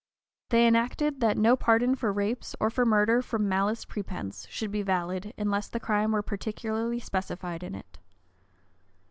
They enacted, that no pardon for rapes, or for murder from malice prepense, should be valid, unless the crime were particularly specified in it.